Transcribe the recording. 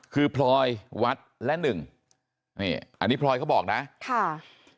คือพลอยวัดและนึงอันนี้พลอยเขาบอกนะ